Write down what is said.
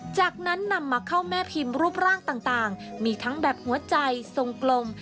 จากนั้นนำมาเข้าแม่พิมพ์รูปร่างต่างมีทั้งแบบหัวใจทรงกลม